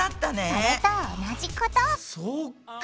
それと同じことそっか！